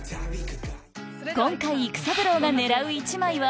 今回育三郎が狙う１枚は？